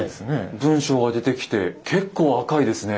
文章が出てきて結構赤いですね。